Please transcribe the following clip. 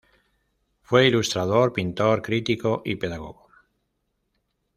Fue ilustrador, pintor, crítico y pedagogo.